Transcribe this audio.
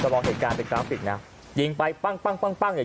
ว่าเหตุการณ์เป็นกลางฟักน่ะยิงไปปั้้งปั้้งปั้้งปั้้งนี่